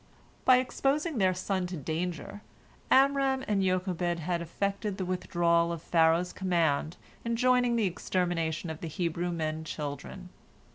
By exposing their son to danger, Amram and Jochebed had effected the withdrawal of Pharaoh's command enjoining the extermination of the Hebrew men children.